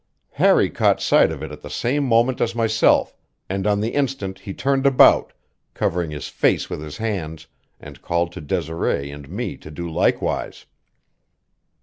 Harry caught sight of it at the same moment as myself, and on the instant he turned about, covering his face with his hands, and called to Desiree and me to do likewise.